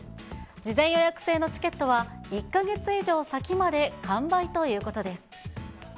事前予約制のチケットは、１か月以上先まで完売ということです。